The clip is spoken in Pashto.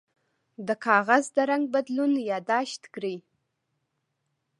د کاغذ د رنګ بدلون یاد داشت کړئ.